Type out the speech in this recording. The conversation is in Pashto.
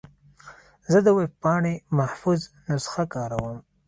زه د ویب پاڼې محفوظ نسخه کاروم.